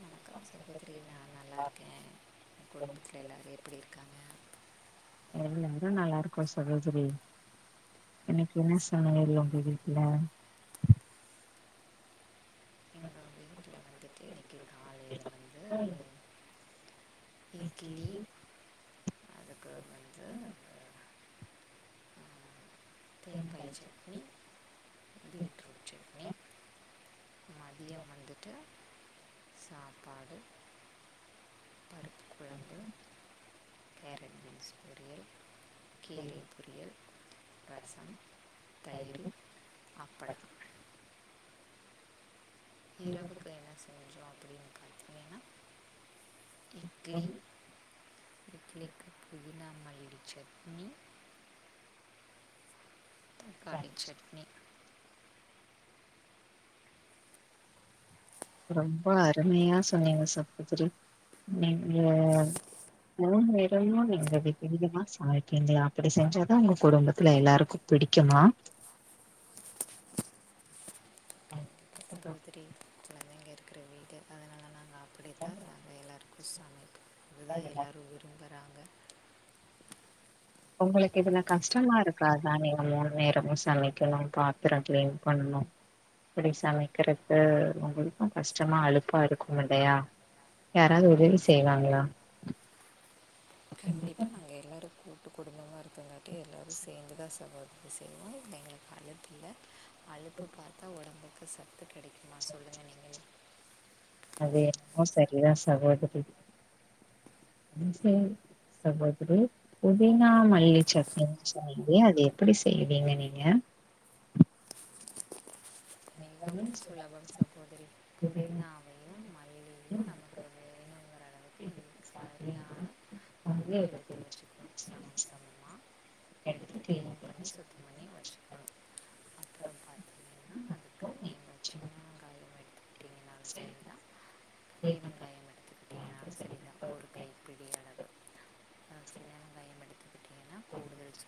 வணக்கம் சகோதரி நா நல்லாருக்கே குடும்பத் துல எல்லாரு எப்டி இருக்காங்க எல்லாரு நல்லாருக்கோ சகோதரி இன்னைக்கு என்ன சமையல் ஒங்க வீட்ல எங்கள் வீட்டில் வந்துட்டு இன்னைக்கு காலையில் வந்து அ இட்லி அதுக்கு வந்து ம் ஆஹ், தேங்காய் தெம்பாயிடுச்சா சட்னி இ பீட்ரூட் சட்னி இல்ல மதியம் வந்துட்டு சாப்பாடு பருப்பு குழம்பு [inaudible] கேரட் பீன்ஸ் பொரியல் கீரை சேரி பொரியல் ரசம் தயிர் ஹலோ அப்பளம் நீங்கதா சொல் இரவுக்கு என்ன செஞ்சோ அப்டின்ட்டு இட்லி இட்லிக்கு புதினா மல்லி சட்னி க்காளி சட்னி ரொம்ப அருமையா சொன்னீங்க சகோதரி நீங்க நான்கு விதமா நீங்க விதவிதமா சமைப்பீங்களா அப்டி செஞ்சாதா உங்க குடும்பத்துல எல்லாருக்கு பிடிக்குமா ஆ கண்டிப்பாக சே சகோதரி கொழந்தைங்க இருக்குற வீடு அதனால நாங்க அப்டி கண்ணு அதா எல்லாரு விரும்புறாங்க உங்களுக்கு இதுல கஷ்டமா இருக்காதா நீங்க மூணு நேரமு நேரம் சமைக்கணு சமைக்கணும் பாத்தர பாத்திரங்கள் க்ளீன் கழுவணும். பண்ணு இப்டி இது சமைக்கிறப்ப சமைக்கிறது உங்களுக்கு கஷ்டமா கஷ்டமாக அழுப்பா இருக்காது இருக்கும் இல்லையா யாராவ்து யாராவது உதவி செய்வாங்க செய்வாங்களா கண்டிப்பா நாங்க எல்லாரு கூட்டு குடும்பமா இருக்கங்காட்டி எல்லாரு சேந்து தா சகோ இப்டி செய்வோ நீங்க அழுப்பில்ல அழுப்பு பாத்தா ஒடம்புக்கு சத்து கெடைக்குமா சொல்லுங்கள் நீங்களே அது என்னமோ சரிதா சகோதரி சேரி அது எப்படி புதினா மல்லி சட்னி செய்வீங்களே அது எப்படி செய்வீங்க நீங்க உம் சுலபம் சகோதரி புதினாவையும் மல்லியையும் நமக்கு வேணுங்கிற அளவுக்கு ம் சரியான சாப்பிட்டிங்களா பங்கு எடுத்து வச்சுக்கணும் [unintelligible] கிளீன் பண்ணி சுத்தம் பண்ணி வச்சுக்கணும் அப்புறம் பார் வெங்காயம் எடுத்துக்கிட்டிங்கனாலும் சரி சரிங்க தான் பெரிய வெங்காயம் எடுத்துக்கிட்டிங்கனாலும் சரிதான் ஒரு கைப்பிடி அளவு அஹ் சின்ன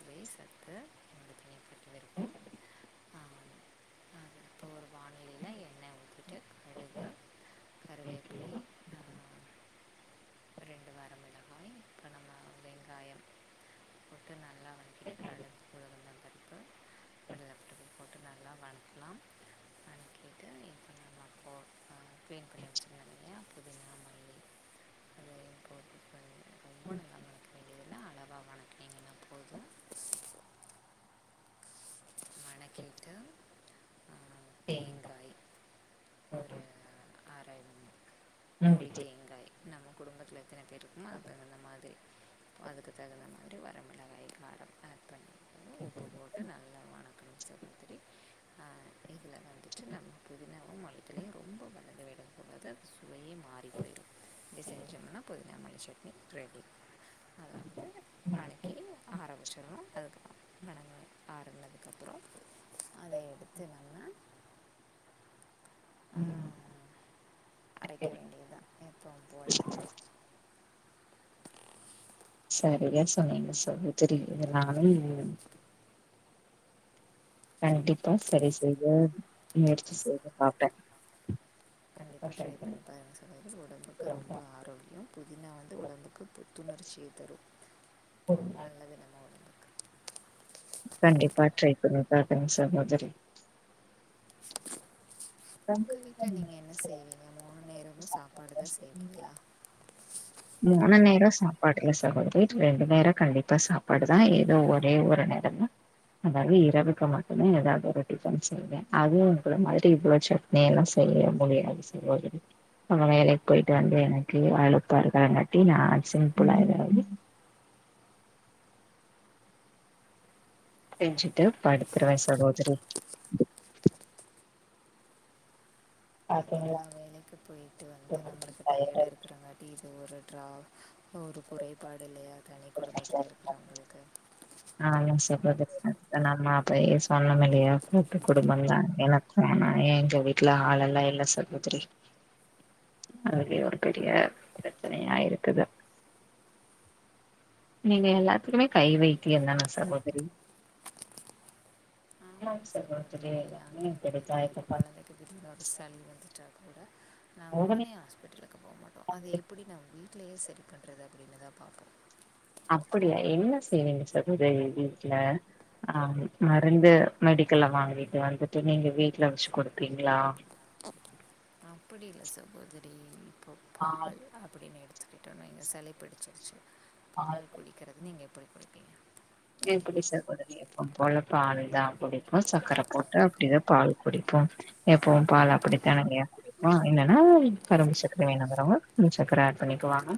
ஒரே சத்து உங்களுக்கு ஏற்பட்டு இருக்கும் [inaudible] ஒவ்வொரு வானிலை கருவேப்பிலை [inaudible] ஆஹ் ரெண்டு வாரம் மில்லாம வெங்காயம் கொத்து நல்லா வந்து [inaudible] கடலைப்பருப்பு போட்டு நல்லா வதக்கலாம் வதக்கிட்டு இப்போ நம்ம போ க்ளீன் பண்ணி வச்சுருந்தோம் இல்லையா புதினா மல்லி அதையும் ம் இதுதா அளவா வணங்கி வணக்கிட்டு ஏ சரி ஆராய நம் வீட்டு வெங்காயம் நம்ம குடும்பத்துல எத்தனை பேரு இருக்கமோ அதுக்கு தகுந்த மாதிரி அதுக்கு தகுந்த மாதிரி வரமிளகாய் காரத்துக் போட்டு நல்லா இதுல வந்துட்டு நம்ம புதினாவையும், மல்லித்தழையும் ரொம்ப வதங்க விட கூடாது அது சுவையே மாறி போயிரும் இப்படி செஞ்சோம்னா புதினாமல்லி சட்னி ரெடி அதாவது வணக்கி ஆர வச்சுடனும் அதுக்கப்புறம் வணங்க ஆறுனதுக்கப்புறம் அதை எடுத்து நம்ம அரைக்க வேண்டியதுதான் எப்பவும் போல சரியா சொன்னீங்க சகோதரி இத நானும் இன்னு கண்டிப்பா சரி செய்து முயற்சி செய்து பாப்பே கண்டிப்பா ட்ரை பண்ணி பாருங்க சகோதரி ஒரு உடம்புக்கு பாத்து ரொம்ப ஆரோக்கியம் புதினா வந்து ரொம்ப உடம்புக்கு புத்துணர்ச்சியை தரும் ப்பு ரொம்ப நல்லதுல்ல கண்டிப்பா ட்ரை பண்ணி பாக்குற சகோதரி உங்க வீட்டுல நீங்க என்ன செய்வீங்க மூணு நேரமும் சாப்பாடு தா செய்வீங்களா [inaudible] மூணு முன்னேற நேரம் சாப்பாடு இல்ல சம்பாதிச்சு சகோதரி வீட்டில் ரெண்டு இருந்து நேரம் வேலை கண்டிப்பா பார்த்து சாப்பாடுதா சம்பாதிச்சு ஏதோ ஒரே ஒரு நேரம் தான் அதாவது எனக்கு ஒரே ஒரு இரவுக்கு மட்டுமே பொண்ணு ஏதாவது ஒரு டிஃபன் செய்வேன் அதாவது ஏழு பொண்ணு ஏதாவது இருந்துச்சு அதுவும் ஒரு நாலு மாதிரி நாளைக்கு இவ்வளோ இவ்வளவு சட்னி எல்லாம் செய்ய சுச்சுவேஷன் முடியாது சகோதரி அவுங்க வேலைக்கு போயிட்டு வந்து எனக்கு அழுப்பா இருக் கங்காட்டி நா சிம்பிளா ஏதாவது சரி சரி சரி செஞ்சிட்டு வேலை போயிட்டு வந்து செஞ்சுட்டு படுத்திருவேன் சகோதரி பாத்தீங்களா பாத்திங்களாங்க வேலைக்கு போயிட்டு வந்து நம்மளுக்கு டயர்டா டயர்ட்டா இருக்க மாறி இது ஒரு ட்ராப் ஒரு குறைபாடு இல்லையா தனி குடும்பத்ல இருக்றவங்ளுக்கு [unintelligible] நம்ம அப்பையே சொன்னமில்லியா கூட்டு குடும்பம்தா எனக் போனா எங்க வீட்ல ஆள் எல்லா இல்ல சகோதரி அதுலியே ஒரு பெரிய பிரச்சனையா இருக்குது நீங்க நீங்கள் எல்லாத்துகுமே எல்லாத்துக்குமே கை வைத்தியம் வைத்தியந்தானா சகோதரி ஆமா ஆமாங் சகோதரி எல்லாமே இப்டிதா அப்பிடித்தா இப்ப இப்போ பாத்தீங் கொழந்தைக்கு திடீர்னு ஒரு சளி வந்துட்டா கூட நா உடனே ஹாஸ்பிட்டலுக்கு போமாட்டோ அது எப்பிடி நம் வீட்லியே சரிப் பண்றது அப்டினுதா பாப்போ அப்படியா என்ன செய்வீங்க சரி சகோதரி வீட்ல அ மருந்து மெடிக்கல்ல மெடிக்கலில் வாங்கிட்டு வந்துட்டு வாங்கிக்கலான்ட்டு நீங்க நீங்கள் வீட்ல வீட்டில் வச்சு குடுப்பீங்ளா கொடுப்பீங்களா அப்படி இல்ல சகோதரி இப்பப் பால் அப்டினு எடுத்துக்கிட்டோனு வைங்க சளி பிடிச்சிருச்சி பால் குடிக்கிறது நீங்க எப்டி குடிப்பீங்க ஏப்டி எப்படி சகோதரி எப்போம் போலப் பால் பால்தா தான் குடிக்கு. சக்கரை சக்கரப் போட்டு அப்படியே பால் பால் எப்போ எப்பவும் பால் அப்படி அப்படித்தானங்கயா ஆ பால் என்னனா அவ்வளோ கரும்பு சக்கர வேணுங்கிறவங்க, ம் சர்க்கர ஆட் பண்ணிக்குவாங்க.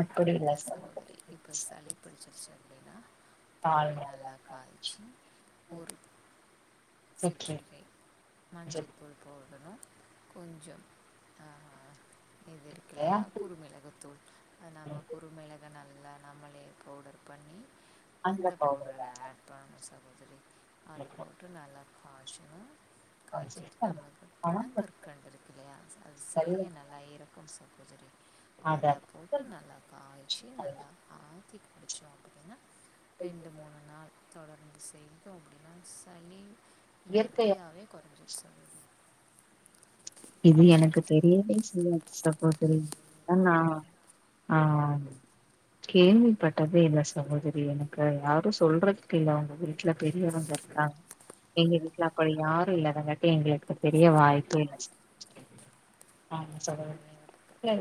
அப்டி இல்ல அப்படிங்ளா சகோதரி இப்ப சளிப் பிடிச்சிருச்சு அப்டினா பால் நல்லா நல்லாக் காய்ச்சி காச்சி ஒருப் சக்கரை சிற்றிகை கொஞ்சம் மஞ்சத்தூள் போடனு கொஞ்சம் ஆ இது இருக்கு இல்லையா குரு மிளகுத்தூள் நம்ம குருமிளக நல்லா நம்மளே பவுடர் பண்ணி அந்த அந்தப் பவுடர் பவுடர ஆட் பாம சகோதரி அதப் போட்டு நல்லாக் காச்சுனு காய்ச்சிட்டு நமக்கு பணங்கற்கண்டு இருக்கு இல்லையா அது சளிய நல்லா இரக் கும் சகோதரி அத அதப் போட்டு நல்லாக் காய்ச்சு நல்லா ஆத்தி குடிச்சோ அப்டினா ரெண்டு மூனு நாள் தொடர்ந்து செய்தோ அப்டினா சளி இயற்கையா இயற்கையாவே கொறைஞ்சுரு சகோதரி இது எனக்கு தெரியலை சே சில சகோதரி சகோதரிகள் ஆ ஆ ஆ ஆ நான் கேள்விப்பட்டது கேள்விப்பட்டதே இல்ல இல்லை சகோதரி எனக்கு யாரு எல்லாரும் சொல்றக்கு சொல்கிறதுக்கு இல்ல இல்லை. அவுங்க வீட்ல பெரியவங்க அ எங்க எங்கள் வீட்ல வீட்டில் அப்போ அப்படி யாரு யாரும் இல்லை இல்லாதங்காட்டி எங்ளுக்கு எங்களுக்கு தெரிய பெரிய வாய்ப்பு வாய்ப்பே இல்ல வாசிக்கிறேன் சகோதரர்கள் பக்கத்தில்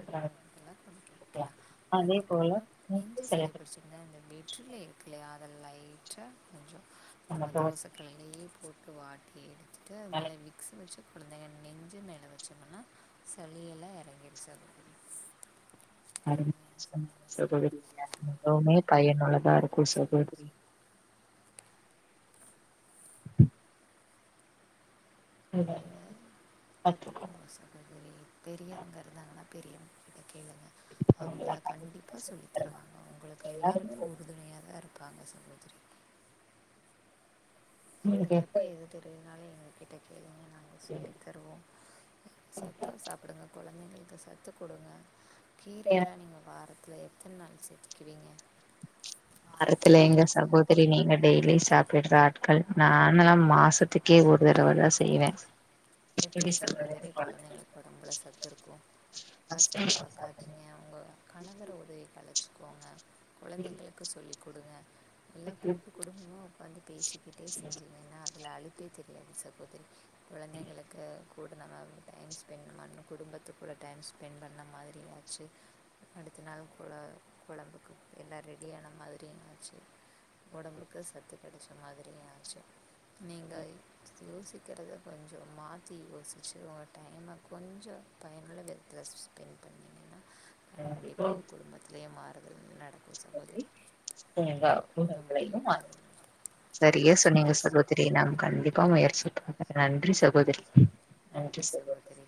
[unintelligible] அதேப் போல நீங்க நெஞ்சு சில சளி புடிச்சுட் ன இந்த வெற்றிலை இருக்குல்லியா அத லைட்டா கொஞ்சோ நம்ம தோசக் கல்லுலியேப் போட்டு வாட்டி எடுத்துட்டு அது மேல விக்ஸ் வச்சு குழந்தைங்க நெஞ்சு மேல வச்சமன்னா சளியெல்லா எறங்கிடுச்ச [unintelligible] சொன்னீங்க சகோதரி இது எதுவுமே உண்மையிலுமே பையனுள்ளதா பயனுள்ளதாக இருக்கு இருக்குது சகோதரி இதெல்லாம் [unintelligible] கற்றுக்கோங்க சகோதரி பெரியவங்க இருந்தாங்கனா பெரியவங்கிட்ட கேளுங்க அவங்கள கண்டிப்பா சொல்லித் தருவாங்க உங்களுக்கு எல்லாருமே சொல்லிக் குடுங்க. உறுதுணையாதா இருப் பாங்க சகோதரி உங்குளுக்கு எப்ப எது தெரியலனாலு எங்க கிட்ட கேளுங்க நாங்க சொல்லித் தருவோ சத்தா சாப்டுங்க கொழ தைங்ளுக்கு சத்து குடுங்க கீரையெலா நீங்க வாரத்ல எத் த்தன் நாள் சேத்துகுவீங்க அரத்தில எங்க சகோத் செரி நீங்க டெய்லியு சாப்பிட்ற ஆட்கள் நானல்லா மாசத்துக்கே ஒரு தடவ தா செய்வே எப்டி சகோதரி கொழந்தைங்களுக்கு ஒடம்புல சத்து இருக்கு ஃபர்ஸ்ட் கஷ்டம் டைம் பாக்காதீங்க உங்க கணவர உதவிக்கு அழச்சிக்கோங்க கொழந்தைங்களுக்கு சொல்லி் குடுங்க எல்லா கூட்டு குடும்பம உக்காந்து பேசிக்கிட்டே செஞ்சீகன்னா அதுல அழுப் போ தெரியாது சகோதரி கெழந்தங்கள க கூட நம்ப டைம் ஸ்பெண்ட் பண்ணு குடும்பத்து கூட டைம் ஸ்பெண்ட் பண்ண மாதிரியாச்சு அடுத்த நாள் கொழ கொழம்புக்கு எல்லா ரெடியான மாதிரியாச்சு. ஒடம்புக்கு சத்து கெடச்ச மாதிரியு ஆச்சு. நீங்க யோசிக்கிறத கொஞ்சோ மாத் தீ யோசிச்சு உங்க டையம கொஞ்சோ பயனுள்ள விதத்துல ஸ்பெண்ட் பண்ணீங்கன்னா. கண்டிப்பா உன் குடும்பத்திலேயு மாறுதல் நடக் உங்க குடும்பத்துயு உடம்புலையும் மாறுதல் நடக்கும். சரிய சரியா சொன்னீங்க சகோத் ரி சகோதரி நான் நங்க கண்டிப்பா கண்டிப்பாக முயற்சி முயற்சிப் [inaudible] பண்ணுறேன். நன்றி சகோதரி நன்றி சகோதரி.